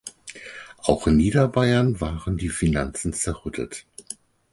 Auch in Niederbayern waren die Finanzen zerrüttet.